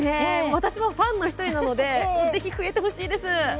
私もファンの１人なのでぜひ増えてほしいです。